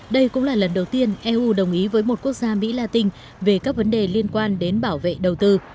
đây cũng là lần đầu tiên eu đồng ý với một quốc gia mỹ la tinh về các vấn đề liên quan đến bảo vệ đầu tư